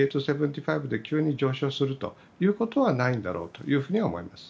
．２．７５で急に上昇するということはないんだろうとは思います。